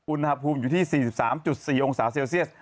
อุณหภูมิอยู่ที่๔๓๔องศาเซลเซียส